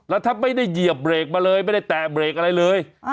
แล้วถ้าไม่ได้เหยียบเบรกมาเลยไม่ได้แตะเบรกอะไรเลย